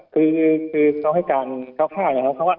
คือต้องให้การเช่าฆ่า